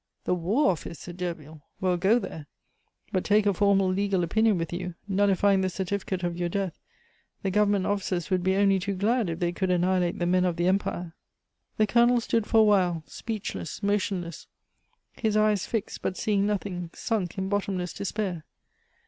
"The war office!" said Derville. "Well, go there; but take a formal legal opinion with you, nullifying the certificate of your death. The government offices would be only too glad if they could annihilate the men of the Empire." The Colonel stood for a while, speechless, motionless, his eyes fixed, but seeing nothing, sunk in bottomless despair.